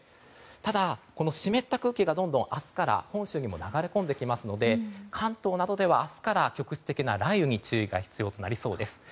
ただ、この湿った空気がどんどん明日から本州にも流れ込んできますので関東などでは明日から局地的な雷雨に注意が必要になりそうです。